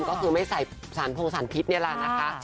ก็คือไม่ใส่สารพงสารพิษนี่แหละนะคะ